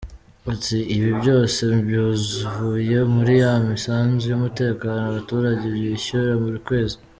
Ati "Ibi byose byavuye muri ya misanzu y’umutekano abaturage bishyura buri kwezi.